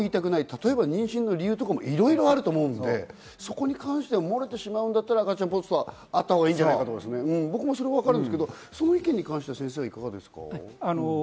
例えば妊娠理由とかも、いろいろあると思うので、そこに関しては漏れてしまうんだったら赤ちゃんポストがあったほうがいいんじゃないかと、僕もそれはわかりますが、その意見については先生いかがですか？